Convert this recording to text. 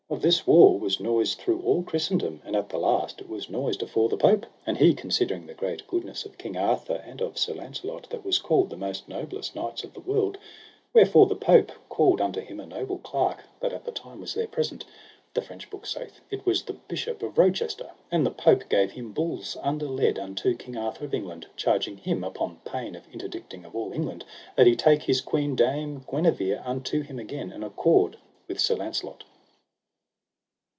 Of this war was noised through all Christendom, and at the last it was noised afore the Pope; and he considering the great goodness of King Arthur, and of Sir Launcelot, that was called the most noblest knights of the world, wherefore the Pope called unto him a noble clerk that at that time was there present; the French book saith, it was the Bishop of Rochester; and the Pope gave him bulls under lead unto King Arthur of England, charging him upon pain of interdicting of all England, that he take his queen Dame Guenever unto him again, and accord with Sir Launcelot.